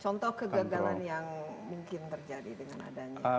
contoh kegagalan yang mungkin terjadi dengan adanya